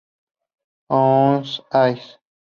On Ice!".